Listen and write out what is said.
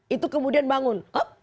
itu kemudian bangun